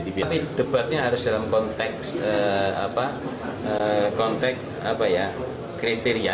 tapi debatnya harus dalam konteks kriteria